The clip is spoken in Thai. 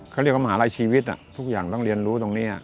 เขาเรียกว่ามหาลัยชีวิตทุกอย่างต้องเรียนรู้ตรงนี้